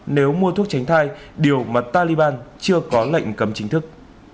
nếu mua thuốc tránh thai điều mà taliban chưa có lệnh cấm chính thức